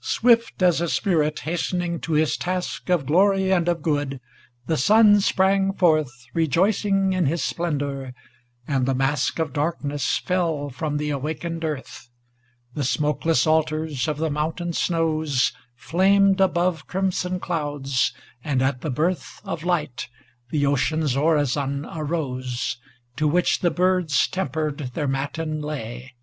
Swift as a spirit hastening to his task Of glory and of good, the Sun sprang forth Rejoicing in his splendor, and the mask Of darkness fell from the awakened Earth ; The smokeless altars of the mountain snows Flamed above crimson clouds, and at the birth Of light the Ocean's orison arose, To which the birds tempered their matin lay.